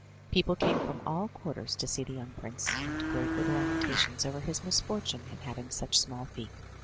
People came from all quarters to see the young prince, and great were the lamentations over his misfor time in having such small feet.